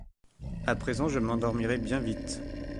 A présent je m’endormirai bien vite !